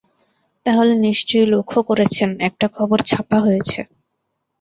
তাহলে নিশ্চয়ই লক্ষ করেছেন একটা খবর ছাপা হয়েছে।